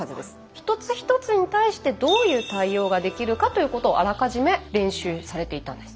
一つ一つに対してどういう対応ができるかということをあらかじめ練習されていたんです。